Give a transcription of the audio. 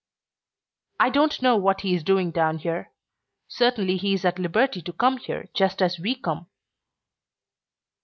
"I don't know what he is doing down here. Certainly he is at liberty to come here just as we come."